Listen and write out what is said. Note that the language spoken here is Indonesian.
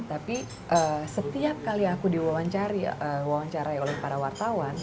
tapi setiap kali aku diwawancarai oleh para wartawan